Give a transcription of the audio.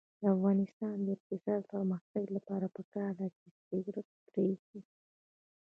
د افغانستان د اقتصادي پرمختګ لپاره پکار ده چې سګرټ پریږدو.